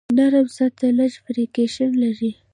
نرم سطحه لږ فریکشن لري.